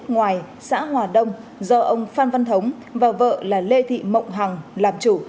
ngoài xã hòa đông do ông phan văn thống và vợ là lê thị mộng hằng làm chủ